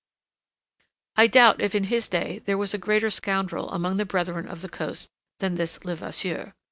I doubt if in his day there was a greater scoundrel among the Brethren of the Coast than this Levasseur.